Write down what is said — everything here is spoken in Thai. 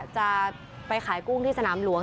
จะไปขายกุ้งที่สนามหลวง